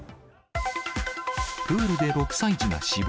プールで６歳児が死亡。